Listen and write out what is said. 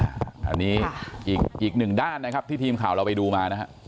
อันนี้อีกหนึ่งด้านนะครับที่ทีมข่าวเราไปดูมานะฮะ